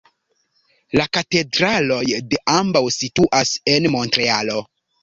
La katedraloj de ambaŭ situas en Montrealo.